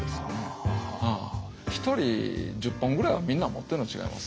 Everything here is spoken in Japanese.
一人１０本ぐらいはみんな持ってんのと違います？